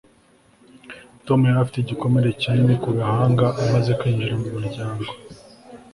tom yari afite igikomere kinini ku gahanga amaze kwinjira mu muryango